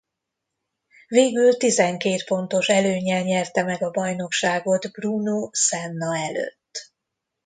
Végül tizenkét pontos előnnyel nyerte meg a bajnokságot Bruno Senna előtt.